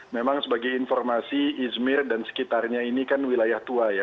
memang sebagai informasi izmir dan sekitarnya ini kan wilayah tua ya